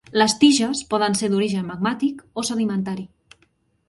Les tiges poden ser d'origen magmàtic o sedimentari.